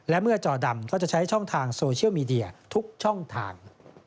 และเมื่อจอดำก็จะใช้ช่องทางโซเชียลมีเดียทุกช่องทาง